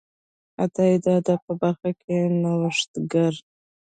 عطایي د ادب په برخه کې نوښتګر و.